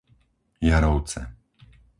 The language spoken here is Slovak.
Jarovce